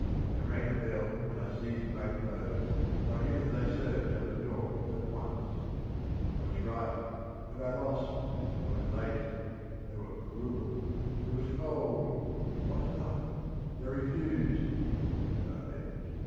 They rang a bell, and I seized my clothes, for I knew that they served table d'hote but once. I was right ... and I lost ... I was late ... they || were cruel ...... It was cold ... not enough ... they refused ... and I left